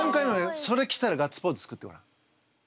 それ来たらガッツポーズ作ってごらん。